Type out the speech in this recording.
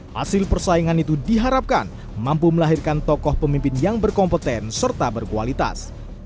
hasil persaingan itu diharapkan mampu melahirkan tokoh pemimpin yang berkompeten serta berkualitas